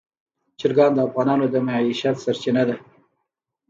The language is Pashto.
چرګان د افغانانو د معیشت سرچینه ده.